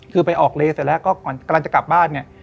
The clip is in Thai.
คือไปออกเลเสร็จแล้วก็กำลังจะกลับบ้านเนี่ย